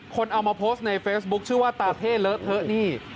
คนเอามาโพสต์ในเฟซบุ๊คชื่อว่าตาเพ่เลอะเทอะนี่